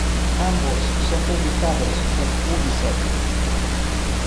Ambos son publicados por Ubisoft.